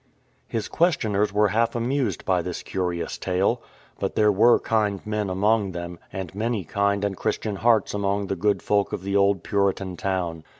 His questioners were half amused by this curious tale. But there were kind men among them, and many kind and Christian hearts among the good folk of the old Puritan town.